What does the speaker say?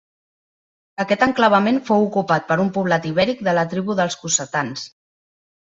Aquest enclavament fou ocupat per un poblat ibèric de la tribu dels cossetans.